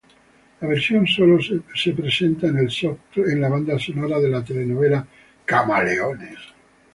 La versión solo es presentada en el soundtrack de la telenovela "Camaleones".